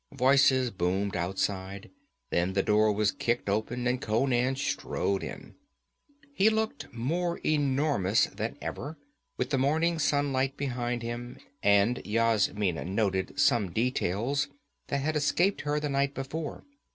Voices boomed outside; then the door was kicked open, and Conan strode in. He looked more enormous than ever with the morning sunlight behind him, and Yasmina noted some details that had escaped her the night before.